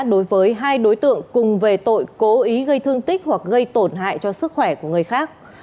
đối với hai đối tượng cùng về tội cố ý gây thương tích hoặc gây tổn hại cho sức khỏe của người khác